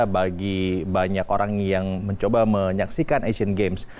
bagi banyak orang yang mencoba menyaksikan asian games